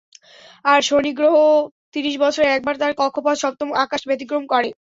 আর শনিগ্রহ ত্রিশ বছরে একবার তার কক্ষপথ সপ্তম আকাশ অতিক্রম করে।